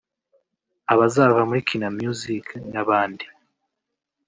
abazava muri kina Music n’abandi